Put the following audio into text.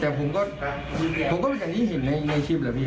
แต่ผมก็ผมก็ไม่แค่นี้เห็นในชีพแหละพี่